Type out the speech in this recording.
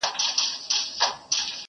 حرص او غرور.